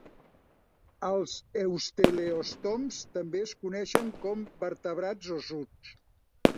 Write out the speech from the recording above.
Els euteleòstoms també es coneixen com "vertebrats ossuts".